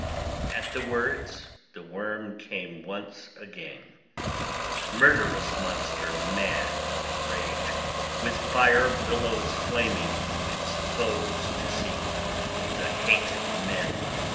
At the words the worm came once again, murderous monster mad with rage, with fire billows flaming, its foes to seek, the hated men.